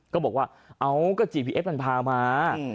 ก็บอกว่าเอาก็จีพีเอสมันพามา